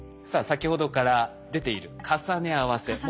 さあ先ほどから出ている重ね合わせ。